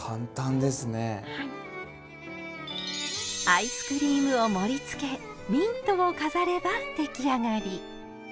アイスクリームを盛りつけミントを飾れば出来上がり！